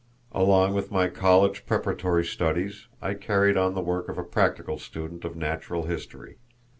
Along with my college preparatory studies I carried on the work of a practical student of natural history.